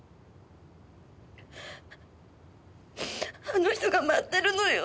あの人が待ってるのよ。